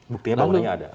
buktinya bangunannya ada